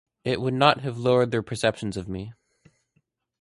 It would have lowered their perceptions of me.